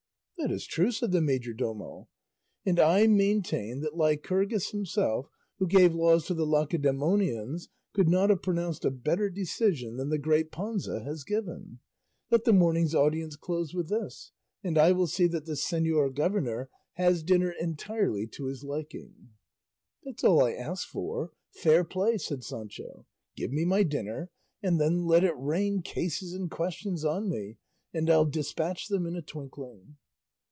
"That is true," said the majordomo; "and I maintain that Lycurgus himself, who gave laws to the Lacedemonians, could not have pronounced a better decision than the great Panza has given; let the morning's audience close with this, and I will see that the señor governor has dinner entirely to his liking." "That's all I ask for fair play," said Sancho; "give me my dinner, and then let it rain cases and questions on me, and I'll despatch them in a twinkling."